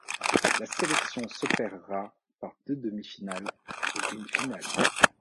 La sélection s'opérera par deux demi-finale et une finale.